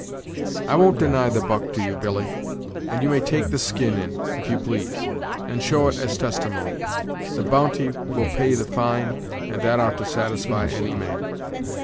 I won't deny the buck to you, Billy, and you may take the skin in, if you please, and show it as testimony. The bounty will pay the fine, and that ought to satisfy any man."